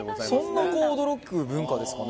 そんな驚く文化ですかね？